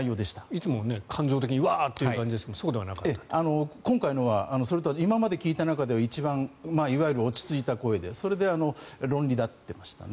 いつもは感情的にワーッという感じですが今回のは今まで聞いた中で一番いわゆる落ち着いた声でそれで、論理立っていましたね。